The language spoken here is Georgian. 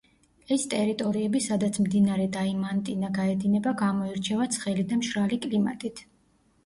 ის ტერიტორიები სადაც მდინარე დაიმანტინა გაედინება გამოირჩევა ცხელი და მშრალი კლიმატით.